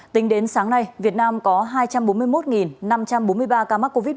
tính đến sáng nay việt nam có hai trăm bốn mươi một năm trăm bốn mươi ba ca mắc covid một mươi